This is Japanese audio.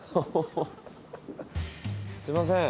すいません。